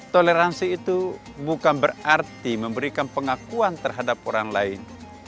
toleransi itu bukan berarti memberikan pengakuan terhadap orang lain